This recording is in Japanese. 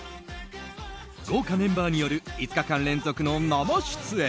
豪華メンバーによる５日間連続の生出演。